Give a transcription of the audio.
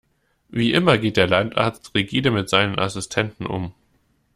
Wie immer geht der Landarzt rigide mit seinen Assistenten um.